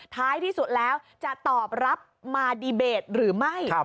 ท้ายที่สุดแล้วจะตอบรับมาดีเบตหรือไม่